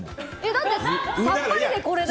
だってさっぱりでこれだよ。